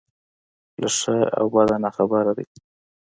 له ښه او بده ناخبره دی.